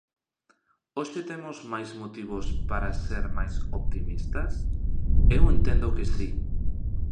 ¿Hoxe temos máis motivos para ser máis optimistas?, eu entendo que si.